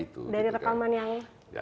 itu dari rekaman yang seperti ini pak